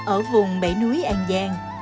ở vùng bảy núi an giang